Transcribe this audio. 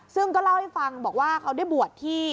ซึ่งก็เล่าให้ฟังบอกว่าเขาได้บวชที่